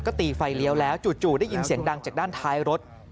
ก็ตีไฟเลี้ยวแล้วจู่ได้ยินเสียงดังจากด้านท้ายรถ